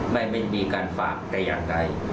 ไม่มีการฝากแต่อย่างใด